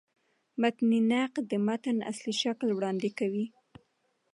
متني نقد د متن اصلي شکل وړاندي کوي.